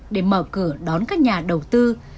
để mở cửa đón các nhà đầu tư